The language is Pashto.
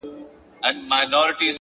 ستر بدلونونه له کوچنیو انتخابونو زېږي’